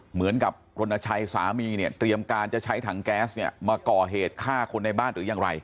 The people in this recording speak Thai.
เหมือนกับรณชัยสามีเนี่ยเตรียมการจะใช้ถังแก๊สเนี่ยมาก่อเหตุฆ่าคนในบ้านหรือยังไร